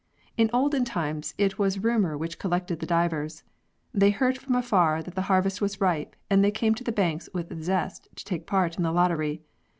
In olden times it was rumour which collected the divers. They heard from afar that the harvest was ripe and they came to the banks with zest to take part in the lottery.